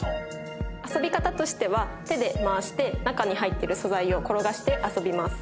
遊び方としては手で回して中に入ってる素材を転がして遊びます。